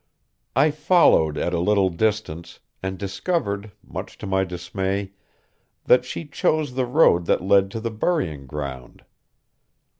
I followed at a little distance, and discovered, much to my dismay, that she chose the road that led to the burying ground.